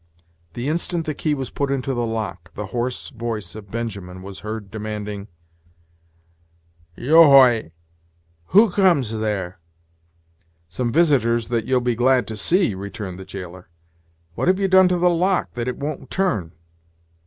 The instant the key was put into the lock, the hoarse voice of Benjamin was heard, demanding: "Yo hoy! who comes there?" "Some visitors that you'll be glad to see," returned the jailer. "What have you done to the lock, that it won't turn."